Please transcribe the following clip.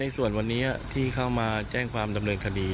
ส่วนวันนี้ที่เข้ามาแจ้งความดำเนินคดี